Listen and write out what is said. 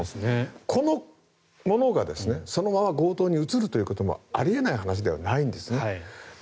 この者がそのまま強盗に移ることもあり得ない話ではないんです。